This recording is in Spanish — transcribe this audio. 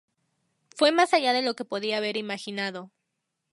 Fue más allá de lo que podría haber imaginado.